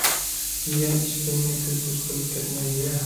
يىگەن ئىچكەننى كۆز كۆز قىپ كەتمەيلى ،